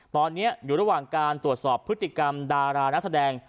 ตอนนี้อยู่ระหว่างการตรวจสอบพฤติกรรมดารานักแสดง